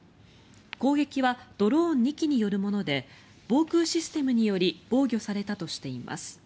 攻撃はドローン２機によるもので防空システムにより防御されたとしています。